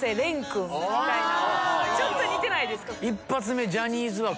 ちょっと似てないですか？